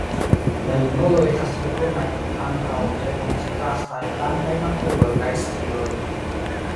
La junuloj estas tre brunaj kun ankaŭ tre kontrastaj blankaj makuloj kaj strioj.